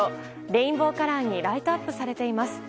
レインボーカラーにライトアップされています。